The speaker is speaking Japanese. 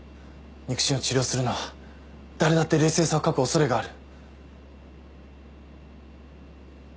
肉親を治療するのは誰だって冷静さを欠く恐れがある。